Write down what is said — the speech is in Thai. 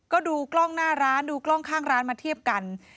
ก็ดูกล้องหน้าร้านดูกล้องข้างร้านมาเทียบกัน